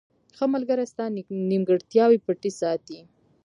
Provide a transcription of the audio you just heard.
• ښه ملګری ستا نیمګړتیاوې پټې ساتي.